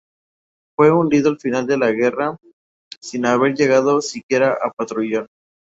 Fue hundido al final de la guerra sin haber llegado siquiera a patrullar.